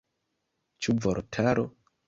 Ĉu vortaro?